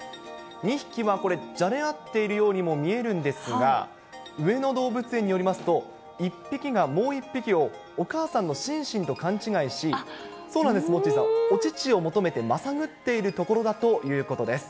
２匹はこれ、じゃれ合っているようにも見えるんですが、上野動物園によりますと、１匹がもう１匹をお母さんのシンシンと勘違いし、そうなんです、モッチーさん、お乳を求めてまさぐっているところだということです。